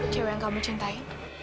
cewek yang kamu cintai